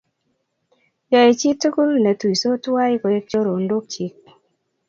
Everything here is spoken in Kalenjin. yoe chii tugul netuisot tuwai koek chorondochik